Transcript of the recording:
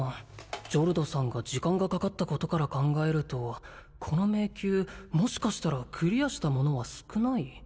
ジョルドさんが時間がかかったことから考えるとこの迷宮もしかしたらクリアした者は少ない？